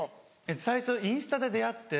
最初インスタで出会って。